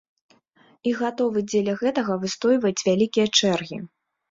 І гатовы дзеля гэтага выстойваць вялікія чэргі.